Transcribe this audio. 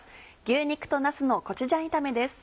「牛肉となすのコチュジャン炒め」です。